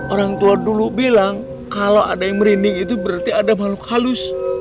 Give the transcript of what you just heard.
orang tua dulu bilang kalau ada yang merinding itu berarti ada makhluk halus